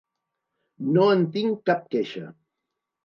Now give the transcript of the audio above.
No en tinc cap queixa.